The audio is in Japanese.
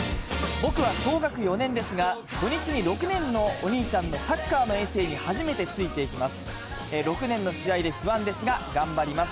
僕は小学４年ですが、土日に６年のお兄ちゃんのサッカーの遠征に初めてついていきます。